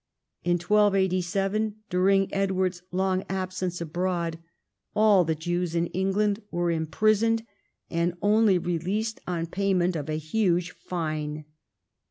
In 1287, during Edward's long absence abroad, all the Jews in England were imprisoned, and only released on pay ment of a huge fine.